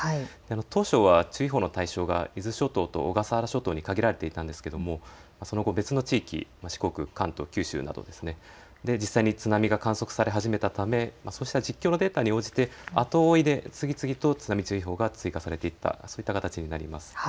当初は注意報の対象が伊豆諸島と小笠原諸島に限られていたんですがその後、別の地域四国、関東、九州など実際に津波が観測され始めたためそうしたデータに応じて後追いで次々と津波注意報が追加されていった、そういった形になります。